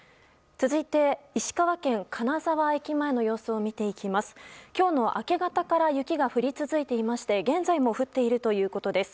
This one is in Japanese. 続いて、石川県金沢駅前の様子を見ていきます。